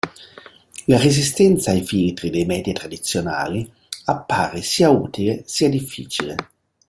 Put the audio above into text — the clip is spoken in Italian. La resistenza ai filtri dei media tradizionali appare sia utile sia difficile.